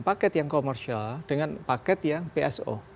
paket yang komersial dengan paket yang pso